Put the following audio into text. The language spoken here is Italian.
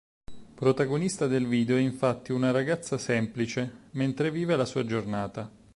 Protagonista del video è infatti una ragazza semplice, mentre vive la sua giornata.